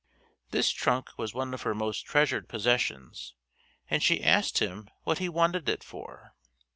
This trunk was one of her most treasured possessions, and she asked him what he wanted it for.